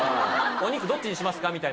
「お肉どっちにしますか？」